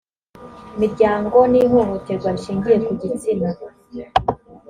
miryango n ihohoterwa rishingiye ku gitsina